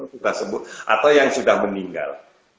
sudah sembuh atau yang sudah meninggal